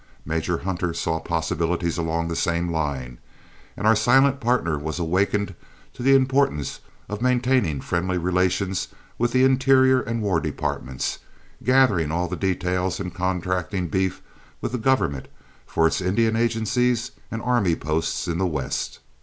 Major Hunter saw possibilities along the same line, and our silent partner was awakened to the importance of maintaining friendly relations with the Interior and War departments, gathering all the details in contracting beef with the government for its Indian agencies and army posts in the West.